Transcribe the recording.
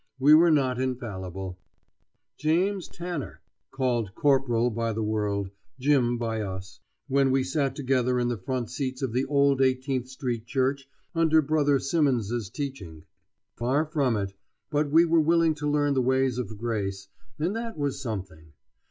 We were not infallible, James Tanner! called Corporal by the world, Jim by us when we sat together in the front seats of the Old Eighteenth Street Church under Brother Simmons's teaching. Far from it; but we were willing to learn the ways of grace, and that was something.